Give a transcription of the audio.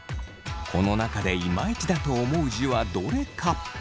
この中でいまいちだと思う字はどれか。